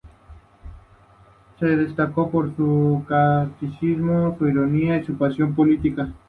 Se destacó por su casticismo, su ironía y su pasión política.